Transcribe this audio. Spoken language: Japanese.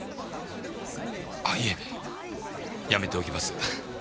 ああいえやめておきます。